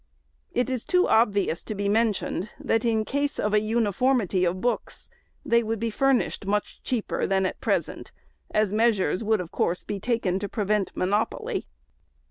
It is too obvious to be mentioned, that in case of a uniform ity of books, they would be furnished much cheaper than at present, as measures would, of course, be taken to prevent monopoly.